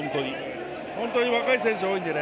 本当に若い選手、多いんで。